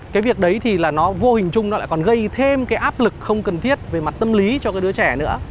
cái việc đấy thì vô hình chung còn gây thêm áp lực không cần thiết về mặt tâm lý cho đứa trẻ nữa